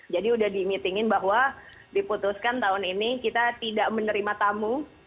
jadi udah di meeting in bahwa diputuskan tahun ini kita tidak menerima tamu